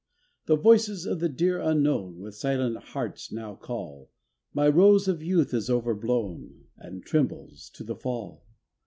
The voices of the dear unknown With silent hearts now call, My rose of youth is overblown And trembles to the fall.